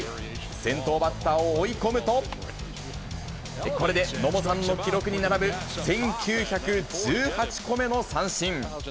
先頭バッターを追い込むと、これで野茂さんの記録に並ぶ１９１８個目の三振。